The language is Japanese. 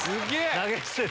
投げ捨てた。